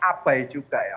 abai juga ya